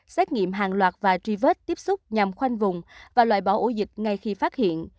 xét nghiệm hàng loạt và truy vết tiếp xúc nhằm khoanh vùng và loại bỏ ổ dịch ngay khi phát hiện